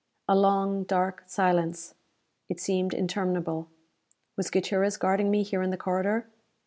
A long, dark silence. It seemed interminable. Was Gutierrez guarding me here in the corridor?